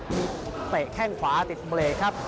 มีเตะแข้งขวาติดเบรกครับ